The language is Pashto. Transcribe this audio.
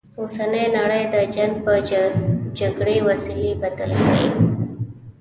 اوسنۍ نړی د جنګ و جګړې وسیلې بدل کړي.